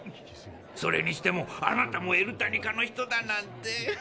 それにしてもあなたもエルタニカの人だなんて。